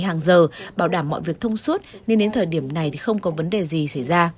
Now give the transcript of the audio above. hàng giờ bảo đảm mọi việc thông suốt nên đến thời điểm này thì không có vấn đề gì xảy ra